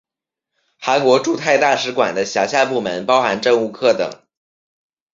韩国驻泰大使馆的辖下部门包含政务课等。